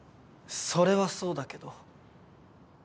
それはそうだけど。